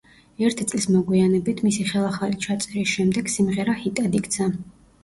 ერთი წლის მოგვიანებით, მისი ხელახალი ჩაწერის შემდეგ სიმღერა ჰიტად იქცა.